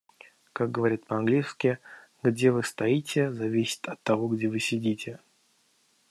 Как говорят по-английски: "Где вы стоите, зависит от того, где вы сидите".